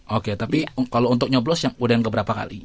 oke tapi kalau untuk nyoblos udah keberapa kali